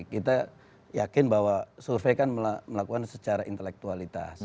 kita yakin bahwa survei kan melakukan secara intelektualitas